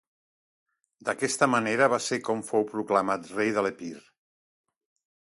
D'aquesta manera va ser com fou proclamat rei de l'Epir.